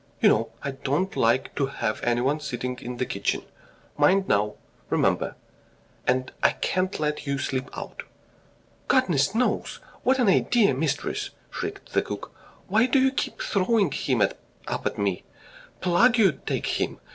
... You know I don't like to have anyone sitting in the kitchen. Mind now, remember .... And I can't let you sleep out." "Goodness knows! What an idea, mistress!" shrieked the cook. "Why do you keep throwing him up at me? Plague take him!